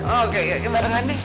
oke ya kemarin nanti